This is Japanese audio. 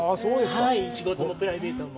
はい、仕事もプライベートも。